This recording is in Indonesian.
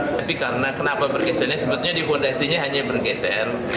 tapi karena kenapa bergesernya sebetulnya di fondasinya hanya bergeser